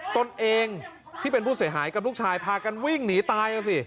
ตนเองที่เป็นผู้เสียหายกับลูกชายพากันวิ่งหนีตายอ่ะสิ